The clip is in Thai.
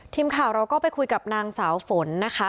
ทีมข่าวเราก็ไปคุยกับนางสาวฝนนะคะ